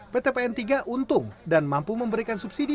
ptpn tiga untung dan mampu memberikan subsidi